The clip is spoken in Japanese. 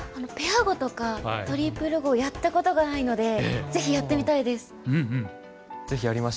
ペア碁とかトリプル碁やったことがないのでぜひやってみたいです。